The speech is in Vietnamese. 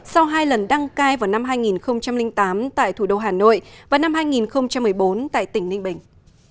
sau hai lần đăng cai vào năm hai nghìn tám tại thủ đô hà nội và năm hai nghìn một mươi bốn tại tỉnh ninh bình